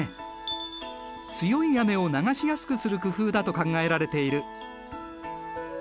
強い雨を流しやすくする工夫だと考えられている。